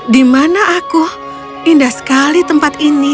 di mana aku indah sekali tempat ini